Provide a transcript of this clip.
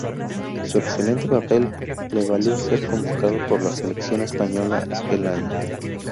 Su excelente papel le valió ser convocado por la selección española aquel año.